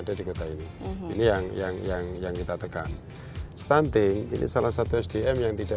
ada di kota ini ini yang yang kita tekan stunting ini salah satu sdm yang tidak